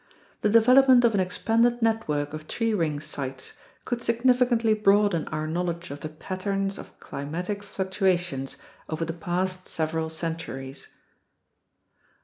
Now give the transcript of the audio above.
The develop ment of an expanded network of tree ring sites could significantly broaden our knowledge of the patterns of climatic fluctuations over the past several centuries.